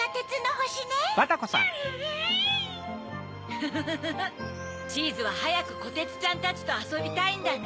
フフフチーズははやくこてつちゃんたちとあそびたいんだね。